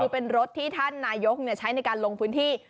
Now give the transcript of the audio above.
เป็นรถที่ท่านนายกใช้ในการลงพื้นที่